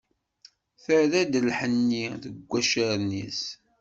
Terra-d lḥenni, deg wacaren-is.